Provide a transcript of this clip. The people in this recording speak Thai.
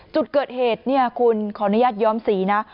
จุดเกิดเหตุเนี่ยคุณขออนุญาตย้อมสีนะ